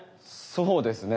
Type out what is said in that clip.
そうですね。